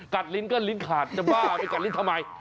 ลิ้นก็ลิ้นขาดจะบ้าไปกัดลิ้นทำไม